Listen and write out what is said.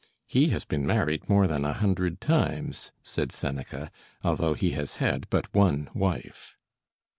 "He has been married more than a hundred times," said Seneca, "although he has had but one wife."